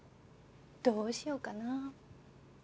どうしようかな。